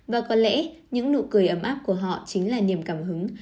và có lẽ những nụ cười ấm áp của họ chính là niềm cảm hứng